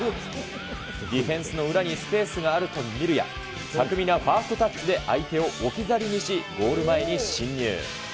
ディフェンスの裏にスペースがあると見るや、巧みなファーストタッチで相手を置き去りにし、ゴール前に侵入。